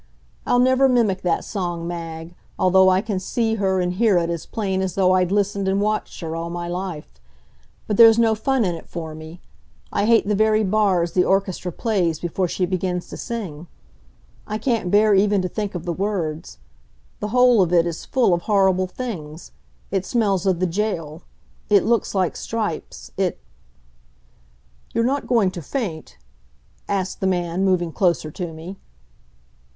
I'll never mimic that song, Mag, although I can see her and hear it as plain as though I'd listened and watched her all my life. But there's no fun in it for me. I hate the very bars the orchestra plays before she begins to sing. I can't bear even to think of the words. The whole of it is full of horrible things it smells of the jail it looks like stripes it ... "You're not going to faint?" asked the man, moving closer to me.